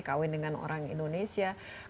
kawin dengan orang indonesia